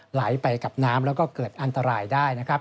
ไหลไปกับน้ำแล้วก็เกิดอันตรายได้นะครับ